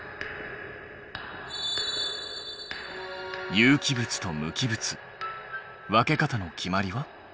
有機物と無機物分け方の決まりは？